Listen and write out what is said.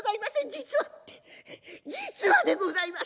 実は実はでございます。